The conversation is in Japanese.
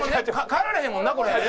帰られへんもんなこれ。